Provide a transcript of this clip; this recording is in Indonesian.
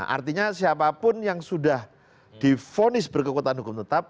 artinya siapapun yang sudah difonis berkekuatan hukum tetap